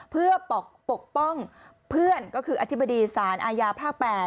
เพื่อปกป้องเพื่อนก็คืออธิบดีสารอาญาภาค๘